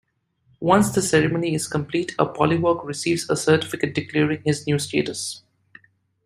Once the ceremony is complete, a Pollywog receives a certificate declaring his new status.